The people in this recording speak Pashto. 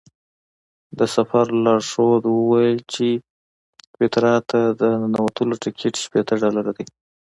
د سفر لارښود وویل چې پیترا ته د ننوتلو ټکټ شپېته ډالره دی.